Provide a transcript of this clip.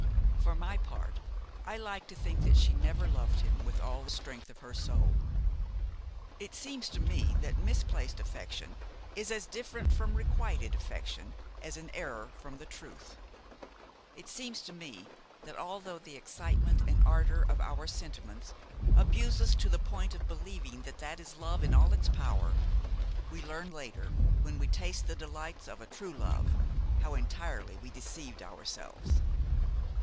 For my part, I like to think that she never loved him with all the strength of her soul. It seems to me that misplaced affection is as different from requited affection as an error from the truth. It seems to me that, although the excitement and ardor of our sentiments abuse us to the point of believing that that is love in all its power, we learn later, when we taste the delights of a true love, how entirely we deceived ourselves.